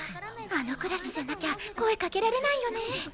あのクラスじゃなきゃ声かけられないよね。